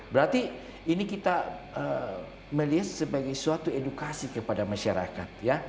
berarti ini kita melihat sebagai suatu edukasi kepada masyarakat